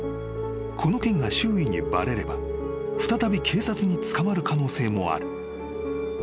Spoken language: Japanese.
［この件が周囲にバレれば再び警察に捕まる可能性もある］